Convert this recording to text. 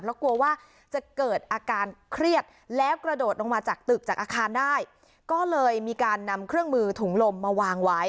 แล้วกลัวว่าจะเกิดอาการเครียดแล้วกระโดดลงมาจากตึกจากอาคารได้ก็เลยมีการนำเครื่องมือถุงลมมาวางไว้